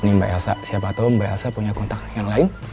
nih mbak elsa siapa tahu mbak elsa punya kontak yang lain